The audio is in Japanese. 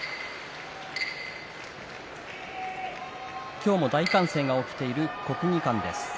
今日も大歓声が起きている国技館です。